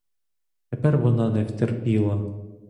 Тепер вона не втерпіла.